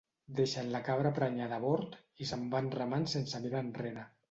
Deixen la cabra prenyada a bord i se'n van remant sense mirar enrere.